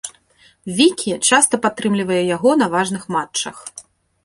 Вікі часта падтрымлівае яго на важных матчах.